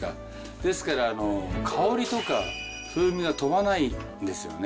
ですから、香りとか風味が飛ばないんですよね。